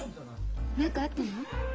何かあったの？